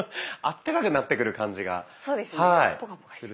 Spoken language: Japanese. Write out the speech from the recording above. そうですねポカポカします。